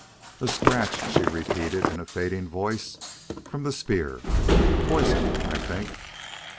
"A scratch," she repeated in a fading voice, "from the spear.... Poison ... I think."